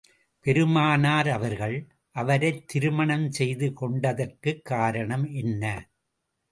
பெருமானார் அவர்கள், அவரைத் திருமணம் செய்து கொண்டதற்குக் காரணம் என்ன?